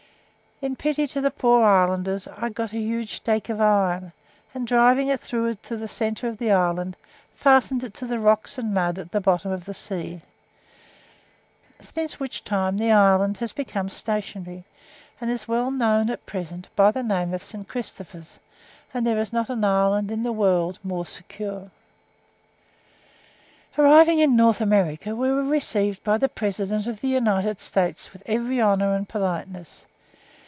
In pity to the poor islanders, I got a huge stake of iron, and driving it through the centre of the island, fastened it to the rocks and mud at the bottom of the sea, since which time the island has become stationary, and is well known at present by the name of St. Christopher's, and there is not an island in the world more secure. Arriving in North America, we were received by the President of the United States with every honour and politeness.